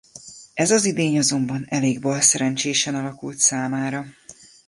Ez az idény azonban elég balszerencsésen alakult számára.